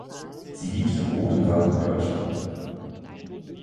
Sie liegt im Odenwald in Deutschland.